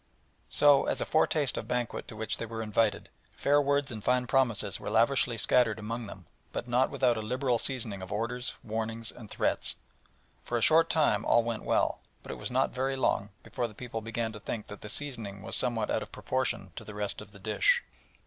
So, as a foretaste of the banquet to which they were invited, fair words and fine promises were lavishly scattered among them, but not without a liberal seasoning of orders, warnings, and threats. For a short time all went well, but it was not very long before the people began to think that the seasoning was somewhat out of proportion to the rest of the dish.